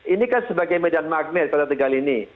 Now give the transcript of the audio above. ini kan sebagai medan magnet kota tegal ini